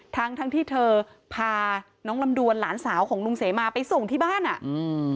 ทั้งทั้งที่เธอพาน้องลำดวนหลานสาวของลุงเสมาไปส่งที่บ้านอ่ะอืม